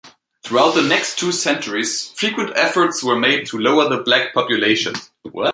Throughout the next two centuries, frequent efforts were made to lower the Black population.